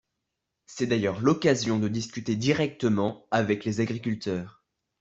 C’est d’ailleurs l’occasion de discuter directement avec les agriculteurs.